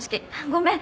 ごめん。